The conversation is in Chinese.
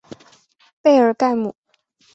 贝尔盖姆。